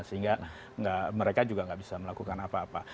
sehingga mereka juga nggak bisa melakukan apa apa